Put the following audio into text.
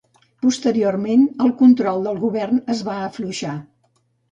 Posteriorment el control del govern es va afluixar.